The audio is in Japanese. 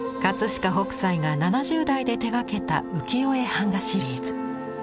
飾北斎が７０代で手がけた浮世絵版画シリーズ。